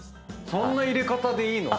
そんな入れ方でいいの？